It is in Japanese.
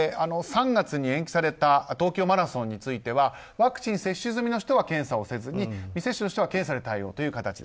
３月に延期された東京マラソンについてはワクチン接種済みの人は検査をせずに未接種の人は検査で対応という形。